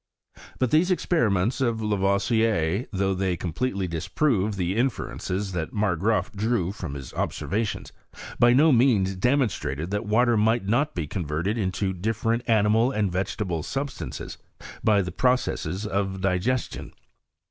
But these experiments of Lavoisier, though they PROGRESS Oy CHEMISTRY IK FRANCE. S3 completely disproved the inferences that Mai^raaf drew from his observations, by no means demon* strated that water might not be converted into dif ferent animal and vegetable substances by the pro cesses of digestion.